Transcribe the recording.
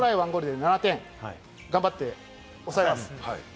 ワントライとゴールで７点、頑張って抑えます。